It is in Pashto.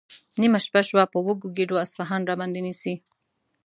نیمه شپه شوه، په وږو ګېډو اصفهان راباندې نیسي؟